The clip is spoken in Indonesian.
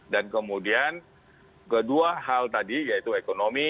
dan kemudian kedua hal tadi yaitu ekonomi